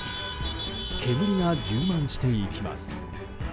煙が充満していきます。